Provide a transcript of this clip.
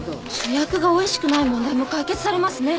主役がおいしくない問題も解決されますね。